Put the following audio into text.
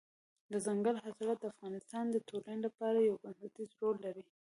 دځنګل حاصلات د افغانستان د ټولنې لپاره یو بنسټيز رول لري.